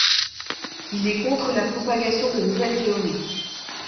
Il est contre la propagation de nouvelles théories.